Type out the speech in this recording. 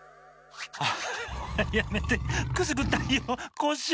ハハやめてくすぐったいよコッシー。